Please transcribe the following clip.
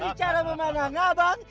dari cara memandang pak